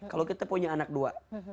kalau kita punya anak dua